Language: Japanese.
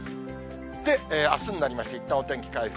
で、あすになりまして、いったんお天気回復。